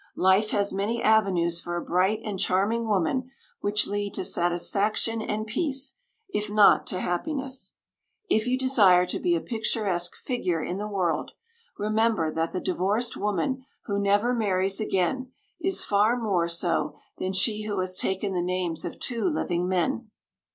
Life has many avenues for a bright and charming woman which lead to satisfaction and peace, if not to happiness. If you desire to be a picturesque figure in the world, remember that the divorced woman who never marries again is far more so than she who has taken the names of two living men.